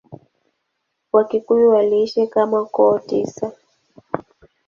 Wakikuyu waliishi kama koo tisa.